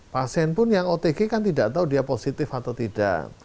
pasien pun yang otg kan tidak tahu dia positif atau tidak